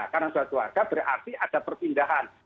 karena sudah keluarga berarti ada perpindahan